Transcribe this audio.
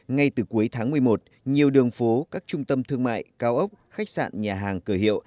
ngay từ cuối tháng một mươi một nhiều đường phố các trung tâm thương mại cao ốc khách sạn nhà hàng cửa hiệu